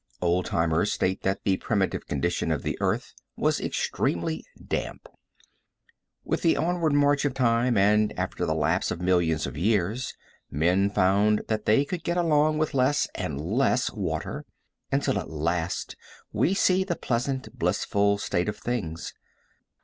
Old timers state that the primitive condition of the earth was extremely damp. With the onward march of time, and after the lapse of millions of years, men found that they could get along with less and less water, until at last we see the pleasant, blissful state of things.